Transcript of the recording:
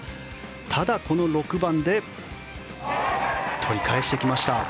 ただ、この６番で取り返してきました。